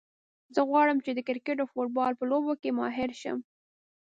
زه غواړم چې د کرکټ او فوټبال په لوبو کې ماهر شم